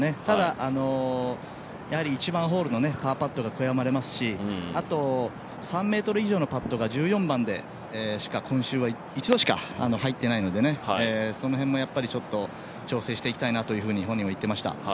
ただ、１番ホールのパーパットが悔やまれますしあと、３ｍ以上のパットが１４番でしか今週は１度しか入っていないのでその辺も調整していきたいなと本人は言っていました。